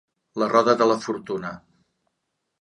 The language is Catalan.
La roda de la fortuna.